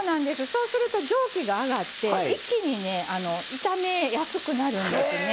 そうすると蒸気が上がって一気にね炒めやすくなるんですね。